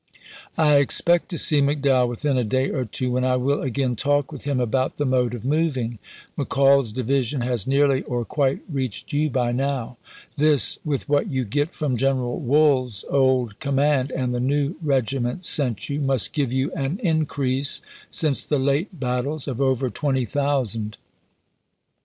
I expect to see McDowell within a day or two, when I will again talk with him about the mode of moving. McCall's division has nearly or quite reached you by now. This, with what you get from General Wool's old command, and the new regi ments sent you, must give you an increase, since the late battles, of over twenty thousand.